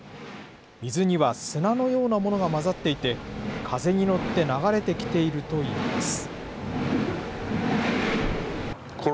水には砂のようなものが混ざっていて、風に乗って流れてきているといいます。